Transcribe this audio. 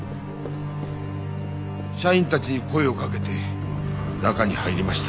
社員たちに声をかけて中に入りました。